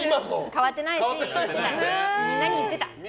変わってないしみんなに言ってた。